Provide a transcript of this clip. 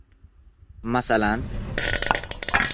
— Masalan?